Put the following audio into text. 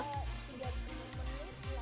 tiga puluh menit lah